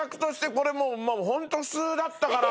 これもう本当普通だったから。